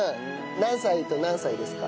何歳と何歳ですか？